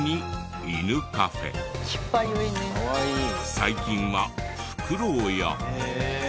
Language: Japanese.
最近はフクロウや。